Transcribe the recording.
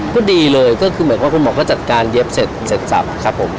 ก็ดีเลยก็คือเหมือนว่าคุณหมอก็จัดการเย็บเสร็จสับครับผม